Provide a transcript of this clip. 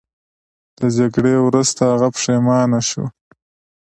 د جګړې وروسته هغه پښیمانه شو.